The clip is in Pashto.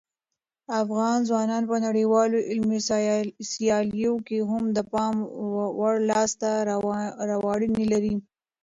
افغان ځوانان په نړیوالو علمي سیالیو کې هم د پام وړ لاسته راوړنې لري.